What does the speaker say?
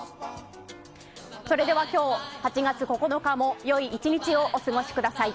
それでは今日８月９日も良い１日をお過ごしください。